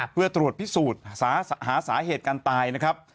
เพื่อตรวจพิสูจน์หาสาเหตุการตายนะครับ